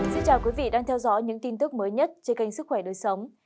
xin chào quý vị đang theo dõi những tin tức mới nhất trên kênh sức khỏe đối sống